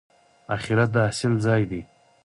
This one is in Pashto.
اخرت د حاصل ځای دی